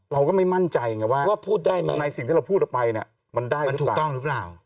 เราก็ไม่มั่นใจว่าในสิ่งที่เราพูดออกไปมันได้หรือเปล่า